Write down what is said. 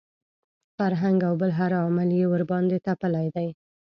فرهنګ او بل هر عامل یې ورباندې تپلي دي.